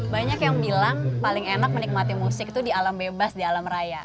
banyak yang bilang paling enak menikmati musik itu di alam bebas di alam raya